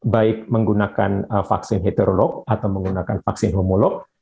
baik menggunakan vaksin heterolog atau menggunakan vaksin homolog